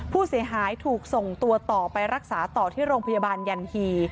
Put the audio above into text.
ผู้เสียหายถูกส่งตัวต่อไปรักษาต่อที่โรงพยาบาลยันฮี